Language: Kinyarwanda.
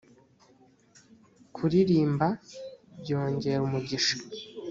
kuririmba byongera umugisha.